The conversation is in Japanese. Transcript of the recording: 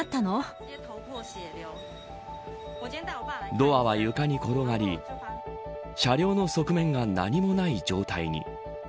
ドアは床に転がり車両の側面が何もない状態に。